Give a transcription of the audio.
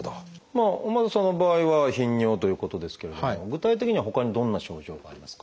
尾又さんの場合は頻尿ということですけれども具体的にはほかにどんな症状がありますか？